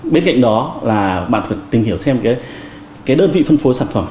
bên cạnh đó là bạn phải tìm hiểu thêm cái đơn vị phân phối sản phẩm